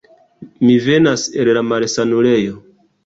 Mi venas el la malsanulejo.